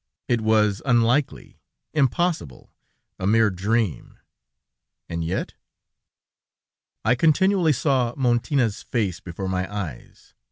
... It was unlikely, impossible.... A mere dream ... and yet? ... "I continually saw Montina's face before my eyes.